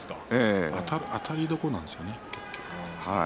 あたりどころなんですね。